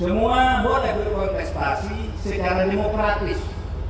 semua boleh berkontestasi secara demokratis